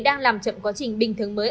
đang làm chậm quá trình bình thường mới